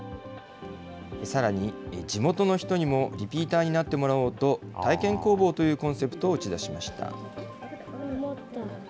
さらに地元の人にもリピーターになってもらおうと、体験工房というコンセプトを打ち出しました。